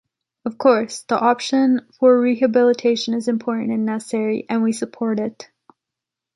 Of course, the option for rehabilitation is important and necessary, and we support it.